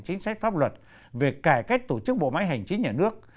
chính sách pháp luật về cải cách tổ chức bộ máy hành chính nhà nước